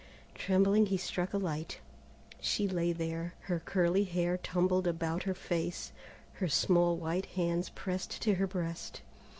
Trembling, he struck a light. She lay there, her curly hair tumbled about her face, her small white hands pressed to her breast.